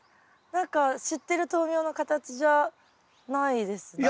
何か知ってる豆苗の形じゃないですよね。